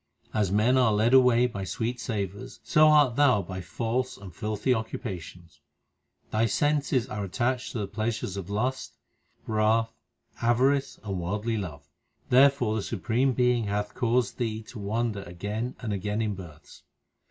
As men are led away by sweet savours, so art thou by false and filthy occupations. Thy senses are attached to the pleasures of lust, wrath, avarice, and worldly love ; Therefore the Supreme Being hath caused thee to wander again and again in births.